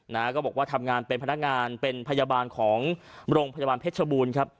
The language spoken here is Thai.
นะฮะก็บอกว่าทำงานเป็นพนักงานเป็นพยาบาลของโรงพยาบาลเพชรบูรณ์ครับ